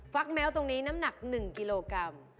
แม้วตรงนี้น้ำหนัก๑กิโลกรัม